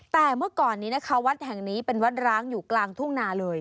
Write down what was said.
แต่เมื่อก่อนนี้นะคะวัดแห่งนี้เป็นวัดร้างอยู่กลางทุ่งนาเลย